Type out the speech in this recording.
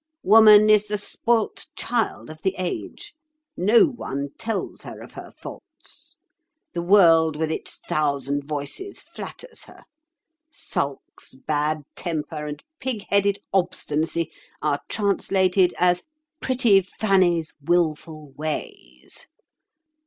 Woman is the spoilt child of the age. No one tells her of her faults. The World with its thousand voices flatters her. Sulks, bad temper, and pig headed obstinacy are translated as 'pretty Fanny's wilful ways.